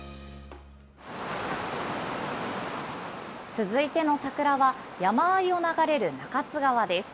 続いてのサクラは、山あいを流れる中津川です。